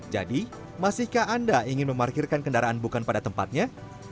jadi masihkah anda ingin memarkirkan kendaraan bukan pada tempatnya